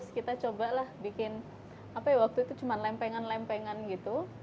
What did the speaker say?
kita cobalah bikin apa ya waktu itu cuma lempengan lempengan gitu